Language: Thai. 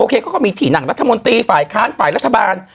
เขาก็มีที่นั่งรัฐมนตรีฝ่ายค้านฝ่ายรัฐบาล